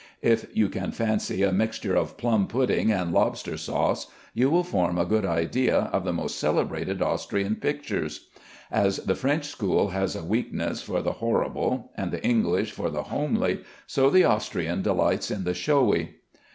If you can fancy a mixture of plum pudding and lobster sauce, you will form a good idea of the most celebrated Austrian pictures. As the French school has a weakness for the horrible, and the English for the homely, so the Austrian delights in the showy.